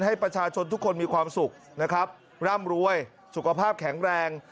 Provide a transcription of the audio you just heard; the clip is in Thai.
ให้ประชาชนทุกคนมีความสุขนะครับร่ำรวยสุขภาพแข็งแรง